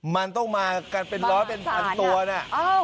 มันต้องมากันเป็นร้อยเป็นพันตัวนะ